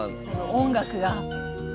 音楽が。